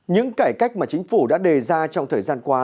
những cải cách mà chính phủ đã đề ra trong thời gian qua